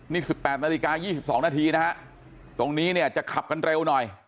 นี่๑๘นาฬิกา๒๒นาทีนะฮะตรงนี้เนี่ยจะขับกันเร็วหน่อย